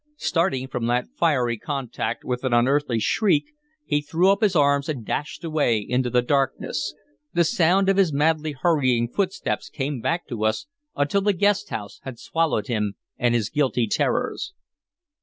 Starting from that fiery contact with an unearthly shriek, he threw up his arms and dashed away into the darkness. The sound of his madly hurrying footsteps came back to us until the guest house had swallowed him and his guilty terrors.